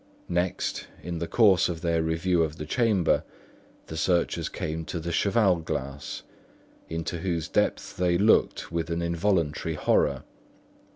Next, in the course of their review of the chamber, the searchers came to the cheval glass, into whose depths they looked with an involuntary horror.